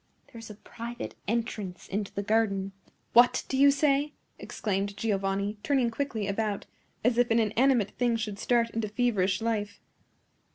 There is a private entrance into the garden!" "What do you say?" exclaimed Giovanni, turning quickly about, as if an inanimate thing should start into feverish life.